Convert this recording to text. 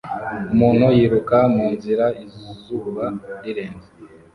Umuntu yiruka munzira izuba rirenze